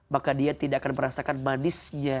maka dia tidak akan merasakan manisnya